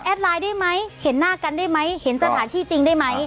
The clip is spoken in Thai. ไลน์ได้ไหมเห็นหน้ากันได้ไหมเห็นสถานที่จริงได้ไหม